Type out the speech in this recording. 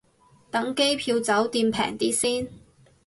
等機票酒店平啲先